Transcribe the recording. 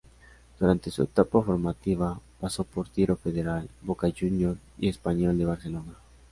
Durante su etapa formativa, pasó por Tiro Federal, Boca Juniors y Espanyol de Barcelona.